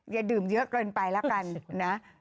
อย่าดื่มเยอะเกินไปละกัน